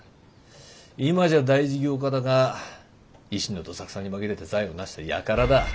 今じゃ大事業家だが維新のどさくさに紛れて財を成したやからだ。